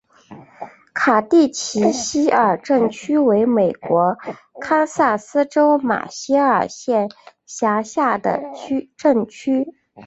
卡蒂奇希尔镇区为美国堪萨斯州马歇尔县辖下的镇区。